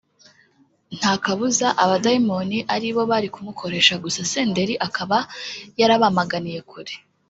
nta kabuza abadayimoni aribo bari kumukoresha gusa Senderi akaba yarabamaganiye kure